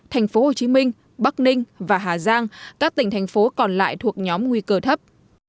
thành phố hồ chí minh bắc ninh và hà giang các tỉnh thành phố còn lại thuộc nhóm nguy cơ thấp